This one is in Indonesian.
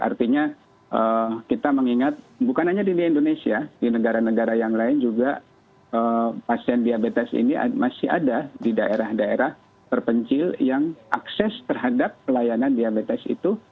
artinya kita mengingat bukan hanya di indonesia di negara negara yang lain juga pasien diabetes ini masih ada di daerah daerah terpencil yang akses terhadap pelayanan diabetes itu